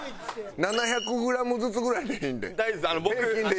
７００グラムずつぐらいでいいんで平均でいうと。